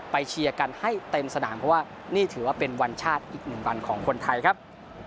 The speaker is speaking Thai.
เชียร์กันให้เต็มสนามเพราะว่านี่ถือว่าเป็นวันชาติอีกหนึ่งวันของคนไทยครับ